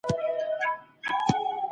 رښتیا ویل د څېړونکي تر ټولو لوی صفت دی.